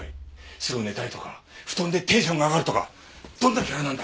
すぐ寝たいとか布団でテンションが上がるとかどんなキャラなんだ！